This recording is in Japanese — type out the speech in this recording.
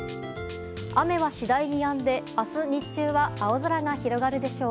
雨は次第にやんで明日日中は日中は青空が広がるでしょう。